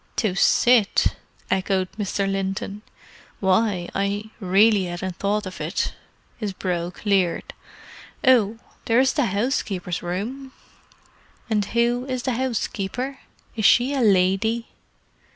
"To sit?" echoed Mr. Linton. "Why, I really hadn't thought of it." His brow cleared. "Oh—there is the housekeeper's room." "And who is the housekeeper? Is she a lady?"